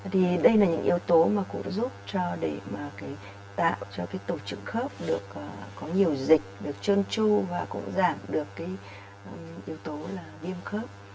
thì đây là những yếu tố mà cũng giúp cho để tạo cho tổ trưởng khớp có nhiều dịch được trơn tru và cũng giảm được yếu tố viêm khớp